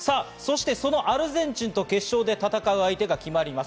そしてそのアルゼンチンと決勝で戦う相手が決まります。